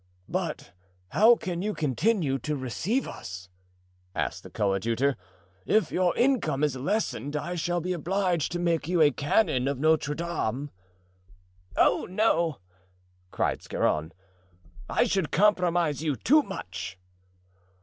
"But how can you continue to receive us?" asked the coadjutor; "if your income is lessened I shall be obliged to make you a canon of Notre Dame." "Oh, no!" cried Scarron, "I should compromise you too much."